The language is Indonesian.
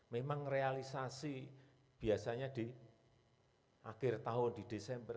memang realisasi biasanya di akhir tahun di desember